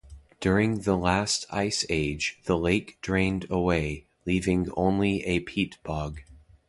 During the last Ice Age the lake drained away, leaving only a peat bog.